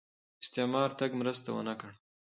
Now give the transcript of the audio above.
استعمار تګ مرسته ونه کړه